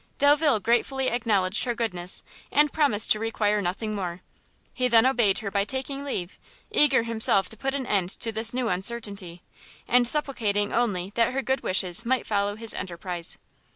Delvile gratefully acknowledged her goodness, and promised to require nothing more. He then obeyed her by taking leave, eager himself to put an end to this new uncertainty, and supplicating only that her good wishes might follow his enterprise.